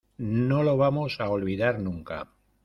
no lo vamos a olvidar nunca.